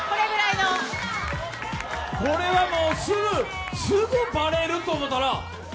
これはもう、すぐバレると思ったら。